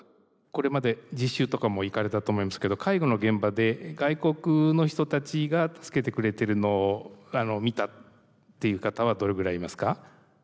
これまで実習とかも行かれたと思いますけど介護の現場で外国の人たちが助けてくれてるのを見たっていう方はどれぐらいいますか？